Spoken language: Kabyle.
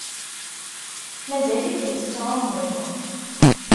Mazal-ikem tettɛummuḍ?